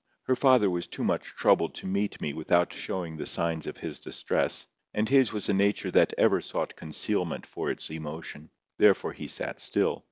Her father was too much troubled to meet me without showing the signs of his distress, and his was a nature that ever sought concealment for its emotion; therefore he sat still.